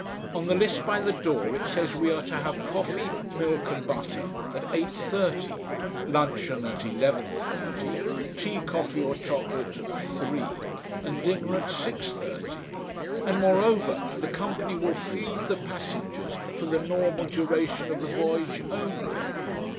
On the list by the door it says we are to have coffee, milk and butter at 8.30: luncheon at 11.30: tea, coffee or chocolate at 3.00: and dinner at 6.30. And moreover: "The company will feed the passengers for the normal duration of the voyage only."